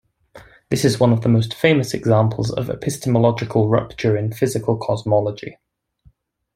This is one of the most famous examples of epistemological rupture in physical cosmology.